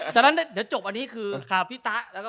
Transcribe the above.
เพราะว่านี้คือทุกสิ่งเนี้ย